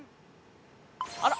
あら。